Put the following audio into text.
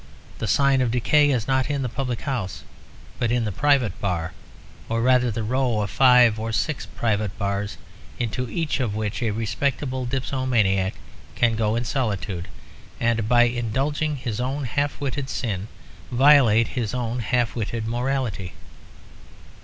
The sign of decay is not in the public house, but in the private bar; or rather the row of five or six private bars, into each of which a respectable dipsomaniac can go in solitude, and by indulging his own half witted sin violate his own half witted morality.